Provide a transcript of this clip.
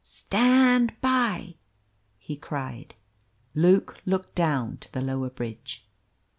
"Stand BY!" he cried. Luke looked down to the lower bridge.